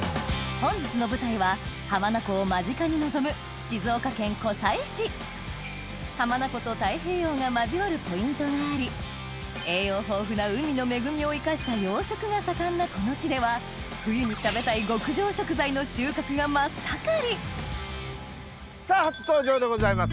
本日の舞台は浜名湖を間近に臨む浜名湖と太平洋が交わるポイントがあり栄養豊富な海の恵みを生かした養殖が盛んなこの地ではの収穫が真っ盛りさぁ初登場でございます